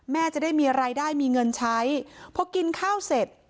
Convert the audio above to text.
จะได้มีรายได้มีเงินใช้พอกินข้าวเสร็จ